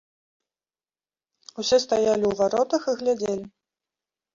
Усе стаялі ў варотах і глядзелі.